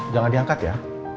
jangan diangkat ya